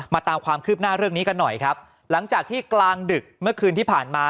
ตามความคืบหน้าเรื่องนี้กันหน่อยครับหลังจากที่กลางดึกเมื่อคืนที่ผ่านมา